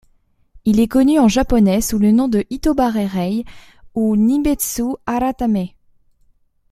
Il est connu en japonais sous le nom Hitobarai Rei ou Ninbetsu Aratame.